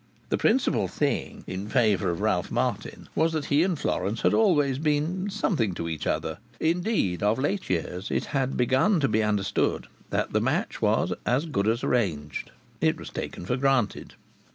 The principal thing in favour of Ralph Martin was that he and Florence had always been "something to each other." Indeed of late years it had been begun to be understood that the match was "as good as arranged." It was taken for granted.